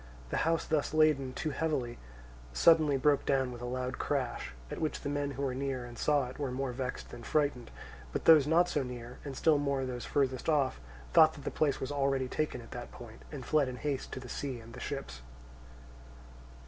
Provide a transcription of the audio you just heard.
The house thus laden too heavily suddenly broke down with a loud crash; at which the men who were near and saw it were more vexed than frightened; but those not so near, and still more those furthest off, thought that the place was already taken at that point, and fled in haste to the sea and the ships.